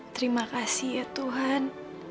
terima kasih ya tuhan